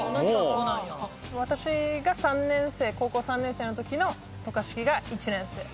私が３年生高校３年生の時の渡嘉敷が１年生。